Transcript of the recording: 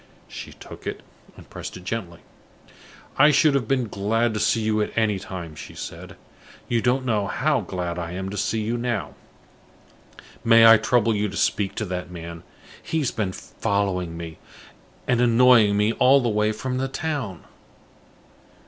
She took it, and pressed it gently. "I should have been glad to see you at any time," she said. "You don't know how glad I am to see you now. May I trouble you to speak to that man? He has been following me, and annoying me all the way from the town."